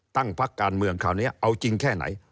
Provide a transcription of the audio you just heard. พักการเมืองคราวนี้เอาจริงแค่ไหน